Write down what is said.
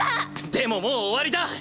でももう終わりだ！